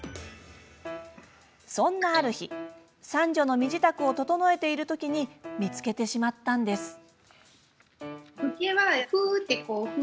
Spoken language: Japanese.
そんなある日三女の身支度を整えているときに見つけてしまったんです。